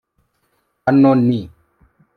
hano ni